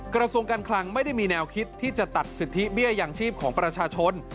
กระทรวงการคลังไม่ได้มีแนวคิดที่จะตัดสิทธิเบี้ยอย่างชีพของประชาชน